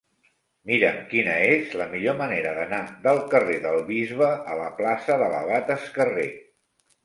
Mira'm quina és la millor manera d'anar del carrer del Bisbe a la plaça de l'Abat Escarré.